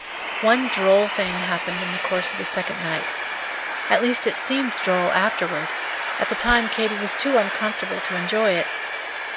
One droll thing happened in the course of the second night, at least it seemed droll afterward; at the time Katy was too uncomfortable to enjoy it.